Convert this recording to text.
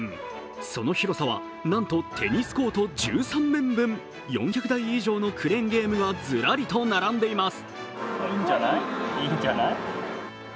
その広さはなんとテニスコート１３面分、４００台以上のクレーンゲームがずらりと並んでいます。